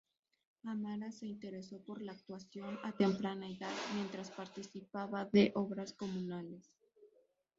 Amara se interesó por la actuación a temprana edad mientras participaba de obras comunales.